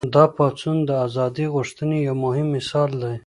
دا پاڅون د ازادۍ غوښتنې یو مهم مثال دی.